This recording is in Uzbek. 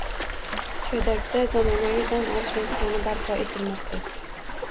Chodakda zamonaviy dam olish maskani barpo etilmoqda